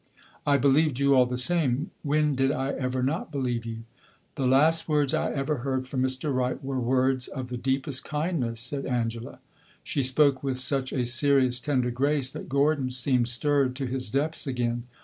"I believed you all the same! When did I ever not believe you?" "The last words I ever heard from Mr. Wright were words of the deepest kindness," said Angela. She spoke with such a serious, tender grace, that Gordon seemed stirred to his depths again.